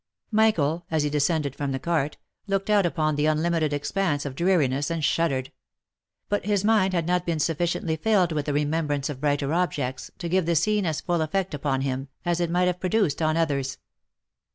Michael, as he de scended from the cart, looked out upon the unlimited expanse of dreariness, and shuddered ; but his mind had not been sufficiently filled with the remembrance of brighter objects, to give the scene as full effect upon him, as it might have produced on others.